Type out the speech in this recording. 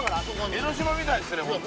江の島みたいですねホント。